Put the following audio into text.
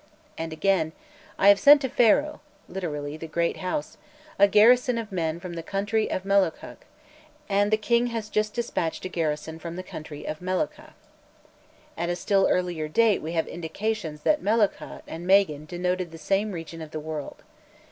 And again, "I have sent [to] Pharaoh" (literally, "the great house") "for a garrison of men from the country of Melukhkha, and... the king has just despatched a garrison [from] the country of Melukhkha." At a still earlier date we have indications that Melukhkha and Magan denoted the same region of the world.